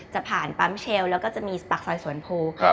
จะผ่านปั๊มเชลแล้วก็จะมีปากซอยสวนภู